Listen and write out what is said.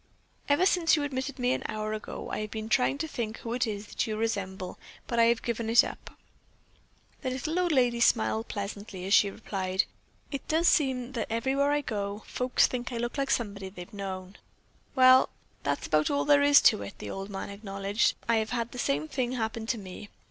Ever since you admitted me an hour ago I have been trying to think who it is that you resemble, but I have given it up." The little old lady smiled pleasantly as she replied: "It does seem that everywhere I go, folks think I look like somebody they've known." "Well, that's about all there is to it," the old man acknowledged. "I have had the same thing happen to me.